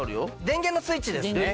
電源のスイッチですね。